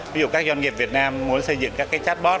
ví dụ các doanh nghiệp việt nam muốn xây dựng các chatbot